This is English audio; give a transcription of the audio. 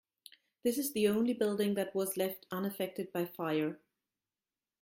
This is the only building that was left unaffected by fire.